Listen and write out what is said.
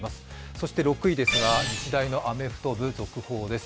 そして６位ですが日大のアメフト部、続報です。